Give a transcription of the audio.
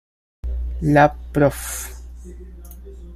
La "Prof.